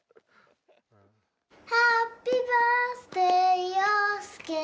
「ハッピーバースデー陽介」